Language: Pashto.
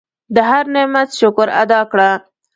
د هر نعمت شکر ادا کړه.